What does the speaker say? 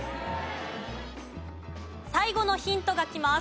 最後のヒントがきます。